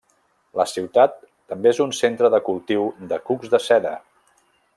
La ciutat també és un centre del cultiu de cucs de seda.